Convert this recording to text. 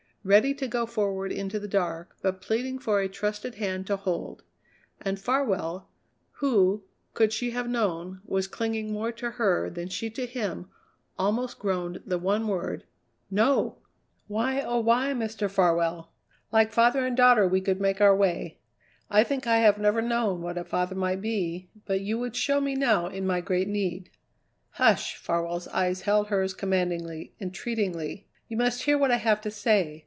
Ready to go forward into the dark, but pleading for a trusted hand to hold. And Farwell, who, could she have known, was clinging more to her than she to him, almost groaned the one word: "No!" "Why, oh, why, Mr. Farwell? Like father and daughter we could make our way. I think I have never known what a father might be, but you would show me now in my great need." "Hush!" Farwell's eyes held hers commandingly, entreatingly. "You must hear what I have to say.